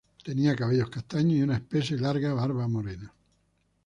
Tenía cabellos castaños, y una espesa y larga barba morena.